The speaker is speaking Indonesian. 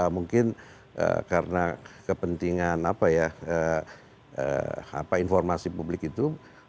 mungkin karena kepentingan informasi publik itu